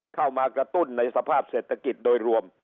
เข้ามากระตุ้นในสภาพเศรษฐกิจโดยรวม